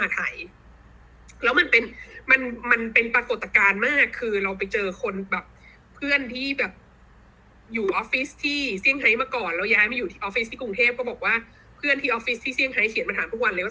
ก็บอกว่าเพื่อนที่ที่เฉียงใครเขียนประถามทุกวันเลยว่า